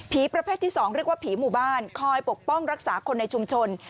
ประเภทที่๒เรียกว่าผีหมู่บ้านคอยปกป้องรักษาคนในชุมชน